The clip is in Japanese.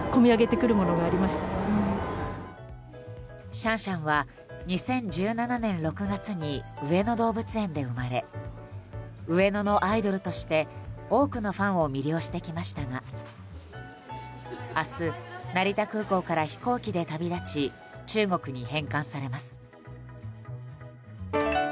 シャンシャンは２０１７年６月に上野動物園で生まれ上野のアイドルとして多くのファンを魅了してきましたが明日、成田空港から飛行機で旅立ち中国に返還されます。